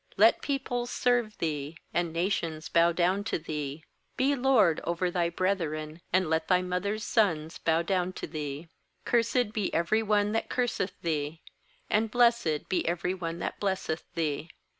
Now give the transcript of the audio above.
29Let peoples serve thee, And nations bow down to thee. Be lord over thy brethren, And let thyvmother's sons bow down to thee. Cursed be every one that curseth thee, And blessed be every one that blesseth thee.